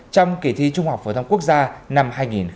trong kỳ thi trung học phổ thông quốc gia năm hai nghìn một mươi chín